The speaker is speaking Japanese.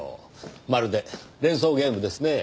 まるで連想ゲームですねぇ。